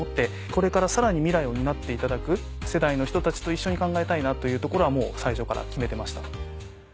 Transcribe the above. これからさらに未来を担っていただく世代の人たちと一緒に考えたいなというところはもう最初から決めてました。